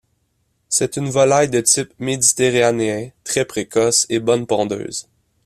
C'est une volaille de type méditerranéen, très précoce et bonne pondeuse.